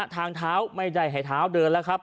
ทางท้าวไม่ใดไห่ท้าวเดินละครับ